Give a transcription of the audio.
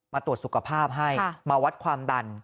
ตรวจสุขภาพให้มาวัดความดัน